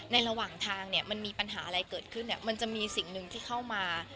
ในระหว่างทางมันมีปัญหาอะไรเกิดขึ้นมันจะมีสิ่งหนึ่งที่เข้ามา